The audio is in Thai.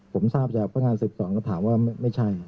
ผมทราบจากพนักงานสืบสวนก็ถามว่าไม่ใช่